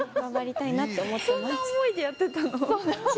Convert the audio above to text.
そんな思いでやってたの？